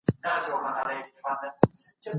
پوهاند محمد صدیق پسرلی شاعر او لیکوال چې د